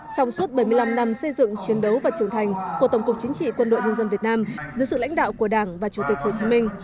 trong suốt bảy mươi năm năm xây dựng chiến đấu và trưởng thành của tổng cục chính trị quân đội nhân dân việt nam dưới sự lãnh đạo của đảng và chủ tịch hồ chí minh